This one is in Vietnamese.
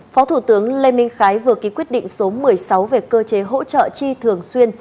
phó thủ tướng lê minh khái vừa ký quyết định số một mươi sáu về cơ chế hỗ trợ chi thường xuyên